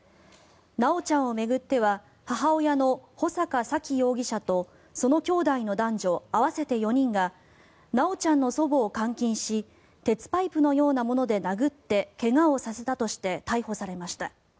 修ちゃんを巡っては母親の穂坂沙喜容疑者とそのきょうだいの男女合わせて４人が修ちゃんの祖母を監禁し鉄パイプのようなもので殴って怪我をさせたとして逮捕されました。